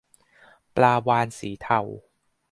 ปลาวาฬสีเทา